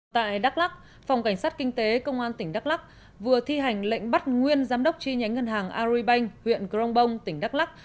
tại đắk lắc phòng cảnh sát kinh tế công an tỉnh đắk lắc vừa thi hành lệnh bắt nguyên giám đốc chi nhánh ngân hàng agribank huyện crongbong tỉnh đắk lắc